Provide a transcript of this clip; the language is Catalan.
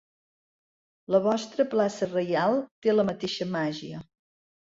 La vostra plaça Reial té la mateixa màgia...